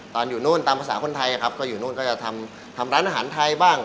ตอนอยู่นู่นตามภาษาคนไทยครับก็อยู่นู่นก็จะทำร้านอาหารไทยบ้าง